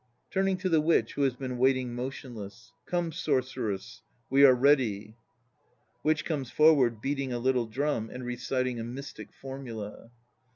(Turning to the WITCH, who has been uaiting motionless.) Come, sorceress, we are ready! WITCH (comes forward beating a little drum and reciting a mystic formula).